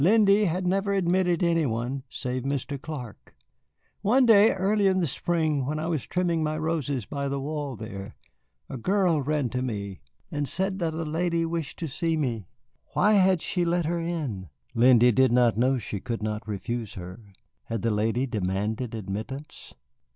"Lindy had never admitted any one, save Mr. Clark. One day early in the spring, when I was trimming my roses by the wall there, the girl ran to me and said that a lady wished to see me. Why had she let her in? Lindy did not know, she could not refuse her. Had the lady demanded admittance?